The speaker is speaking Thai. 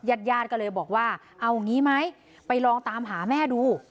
ญาติญาติก็เลยบอกว่าเอางี้ไหมไปลองตามหาแม่ดู